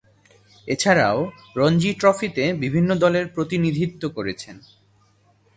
এছাড়াও, রঞ্জী ট্রফিতে বিভিন্ন দলের প্রতিনিধিত্ব করেছেন।